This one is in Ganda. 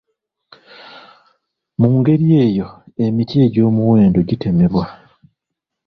Mu ngeri eyo, emiti egy'omuwendo gitemebwa.